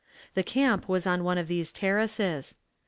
The camp was on one of these terraces.